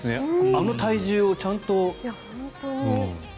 あの体重をちゃんと。